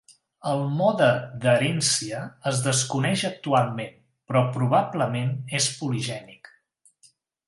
El mode d"herència es desconeix actualment però probablement és poligènic.